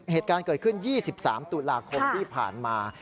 เหตุการณ์เกิดขึ้น๒๓ตุลาคมที่ผ่านมา